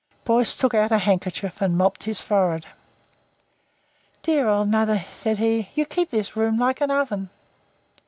Boyce took out a handkerchief and mopped his forehead. "Dear old mother," said he, "you keep this room like an oven."